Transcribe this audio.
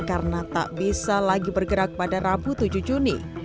karena tak bisa lagi bergerak pada rabu tujuh juni